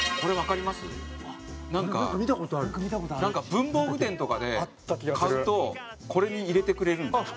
文房具店とかで買うとこれに入れてくれるんですよ。